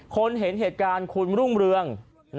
คนเห็นเหตุการณ์คุณรุ่งเรือง